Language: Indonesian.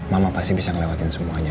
mama pasti bisa ngelewatin semuanya